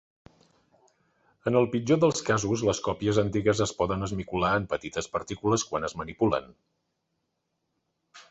En el pitjor dels casos, les còpies antigues es poden esmicolar en petites partícules quan es manipulen.